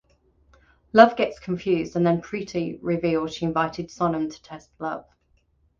Luv gets confused and then Preeti reveals she invited Sonam to test Luv.